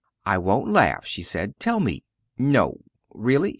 "I won't laugh," she said, "tell me." "No really?